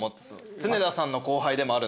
常田さんの後輩でもあるんで。